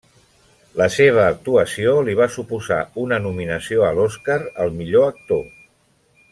La seva actuació li va suposar una nominació a l'Oscar al millor actor.